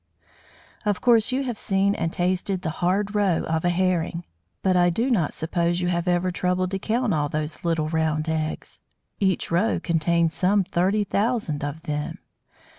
Of course you have seen and tasted the "hard" roe of a Herring; but I do not suppose you have ever troubled to count all those little round eggs. Each roe contains some thirty thousand of them!